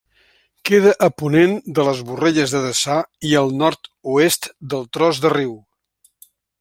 Queda a ponent de les Borrelles de Deçà i al nord-oest del Tros de Riu.